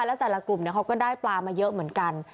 แล้วแต่ละกลุ่มเขาก็ได้ปลามาเยอะเหมือนกัน